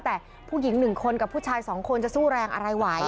แต่ผู้หญิง๑คนกับผู้ชาย๒คนจะสู้แรงอะไรไหว